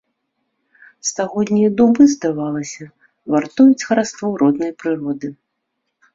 Стагоднія дубы, здавалася, вартуюць хараство роднай прыроды.